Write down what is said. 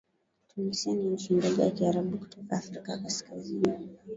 Tunisia ni nchi ndogo ya Kiarabu kutoka Afrika Kaskaizni